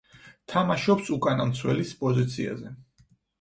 თამაშობს უკანა მცველის პოზიციაზე.